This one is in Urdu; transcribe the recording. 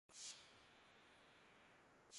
فلمیں دیکھتے ہوئے